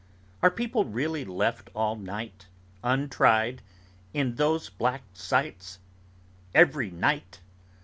Are people really left all night, untried, in those black sties?—Every night.